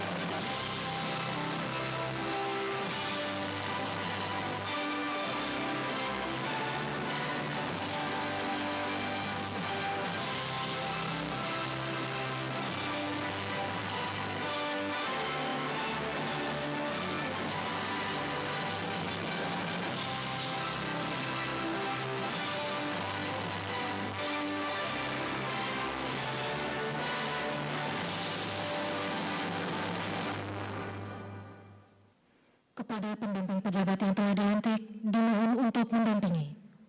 kepada kepolisian negara republik indonesia dr andos listio sigit pradu msi sebagai kepolisian negara republik indonesia